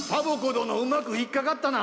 どのうまくひっかかったな。